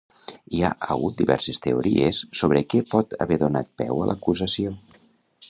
Hi ha hagut diverses teories sobre què pot haver donat peu a l'acusació.